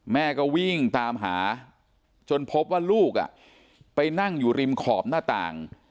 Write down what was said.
แม่ก็วิ่งตามหาจนพบว่าลูกไปนั่งอยู่ริมขอบหน้าต่าง